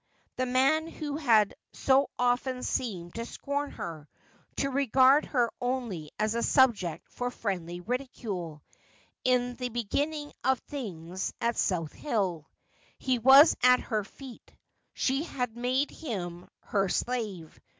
The man who had so often seemed to scorn her, to regard her only as a subject for friendly ridicule, in the beginning of things at South Hill. He was at her feet ; she had made him her slave.